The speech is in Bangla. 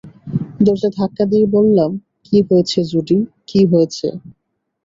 দরজা ধাক্কা দিয়ে বললাম, কী হয়েছে জুডি, কী হয়েছে?